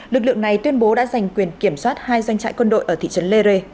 lực lượng này tuyên bố đã giành quyền kiểm soát hai doanh trại quân đội ở thị trấn lere